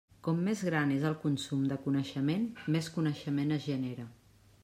Com més gran és el consum de coneixement, més coneixement es genera.